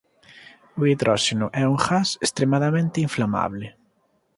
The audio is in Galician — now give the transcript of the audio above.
O hidróxeno é un gas extremadamente inflamable.